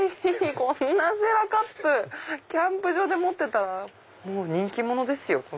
こんなシェラカップキャンプ場で持ってたら人気者ですよ。